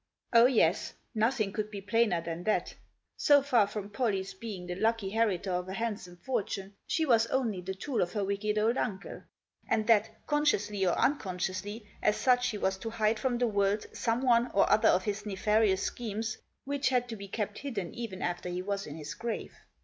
Oh yes ! nothing could be Digitized by AN ULTIMATUM. 141 plainer than that, so far from Pollie's being the lucky heritor of a handsome fortune, she was only the tool of her wicked old uncle ; and that, consciously or unconsciously, as such she was to hide from the world some one or other of his nefarious schemes which had to be kept hidden even after he was in his grave.